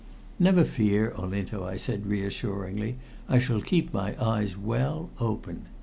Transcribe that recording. "Never fear, Olinto," I said reassuringly. "I shall keep my eyes well open.